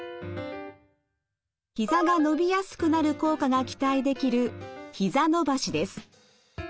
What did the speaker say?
ひざが伸びやすくなる効果が期待できるひざ伸ばしです。